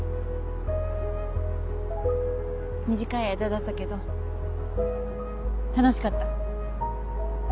短い間だったけど楽しかった。